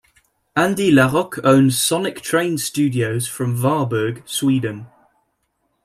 Andy LaRocque owns Sonic Train Studios from Varberg, Sweden.